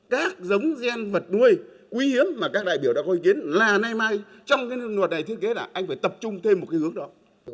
các giống gen vật nuôi quý hiếm mà các đại biểu đã có ý kiến là nay mai trong cái luật này thiết kế là anh phải tập trung thêm một cái hướng đó